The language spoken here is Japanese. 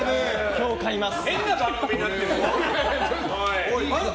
今日、買います。